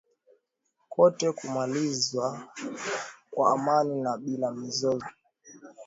kote kunamalizwa kwa amani na bila mizozo